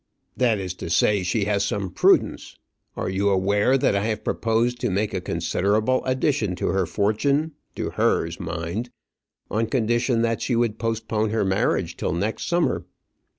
"That is to say, she has some prudence. Are you aware that I have proposed to make a considerable addition to her fortune to hers, mind on condition that she would postpone her marriage till next summer?"